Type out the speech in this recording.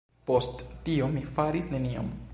Post tio, mi faris nenion.